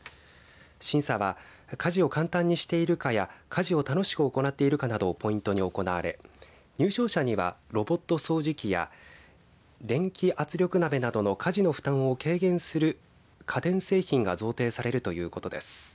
審査は家事を簡単にしているかや家事を楽しく行っているかなどをポイントに行われ入賞者には、ロボット掃除機や電気圧力鍋などの家事の負担を軽減する家電製品が贈呈されるということです。